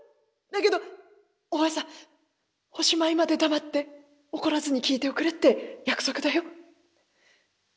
だけどお前さんおしまいまで黙って怒らずに聞いておくれって約束だよ。